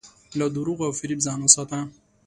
له دروغو او فریب ځان وساته.